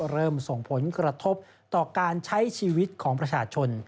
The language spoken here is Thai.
เริ่มส่งผลกระทบต่อการใช้ชีวิตของประชาชน